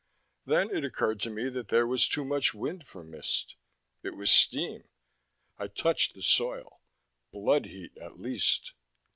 Then it occurred to me that there was too much wind for mist. It was steam! I touched the soil. Blood heat, at least.